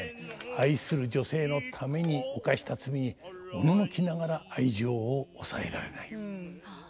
愛する女性のために犯した罪におののきながら愛情を抑えられない。